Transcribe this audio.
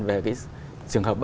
về cái trường hợp bắt đầu